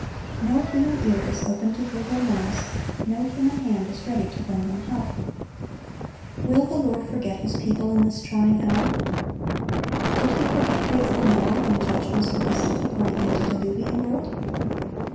No human ear is open to hear their moans; no human hand is ready to lend them help. Will the Lord forget His people in this trying hour? Did He forget faithful Noah when judgments were visited upon the antediluvian world?